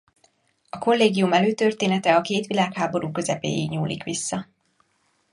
A Kollégium előtörténete a két világháború közepéig nyúlik vissza.